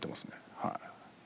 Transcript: はい。